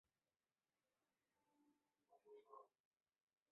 之后左派的影响力逐渐壮大。